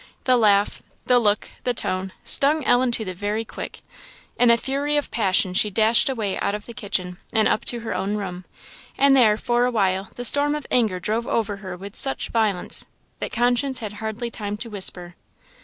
The laugh, the look, the tone, stung Ellen to the very quick. In a fury of passion she dashed away out of the kitchen, and up to her own room. And there, for a while, the storm of anger drove over her with such violence, that conscience had hardly time to whisper.